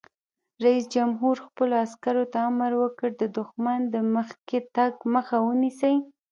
رئیس جمهور خپلو عسکرو ته امر وکړ؛ د دښمن د مخکې تګ مخه ونیسئ!